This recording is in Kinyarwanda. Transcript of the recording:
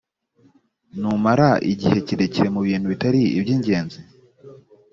numara igihe kirekire mu bintu bitari iby ingenzi